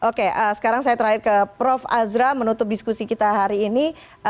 oke sekarang saya terakhir ke prof azra menutup diskusi kita hari ini